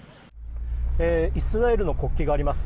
イスラエルの国旗があります。